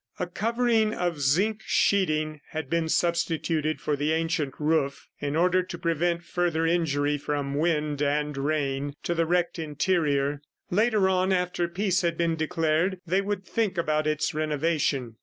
A covering of zinc sheeting had been substituted for the ancient roof in order to prevent further injury from wind and rain to the wrecked interior. Later on, after peace had been declared, they would think about its renovation.